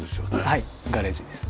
はいガレージです。